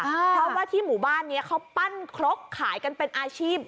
เพราะว่าที่หมู่บ้านนี้เขาปั้นครกขายกันเป็นอาชีพ